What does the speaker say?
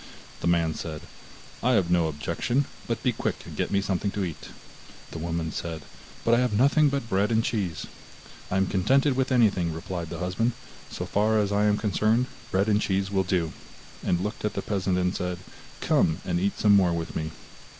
The man said: 'I have no objection, but be quick and get me something to eat.' The woman said: 'But I have nothing but bread and cheese.' 'I am contented with anything,' replied the husband, 'so far as I am concerned, bread and cheese will do,' and looked at the peasant and said: 'Come and eat some more with me.